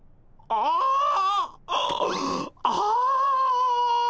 ああ。